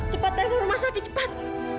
cepat dari rumah sakit cepat